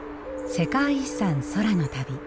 世界遺産空の旅。